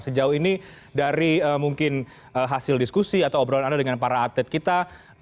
sejauh ini dari mungkin hasil diskusi atau obrolan anda dengan para atlet kita